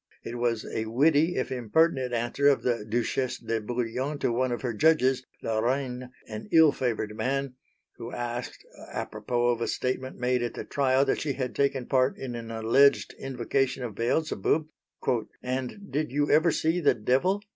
It was a witty if impertinent answer of the Duchesse de Bouillon to one of her judges, La Reyne, an ill favoured man, who asked, apropos of a statement made at the trial that she had taken part in an alleged invocation of Beelzebub, "and did you ever see the Devil?"